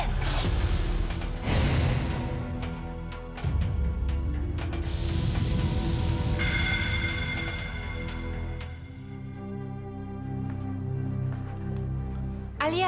ini apa yang meljadi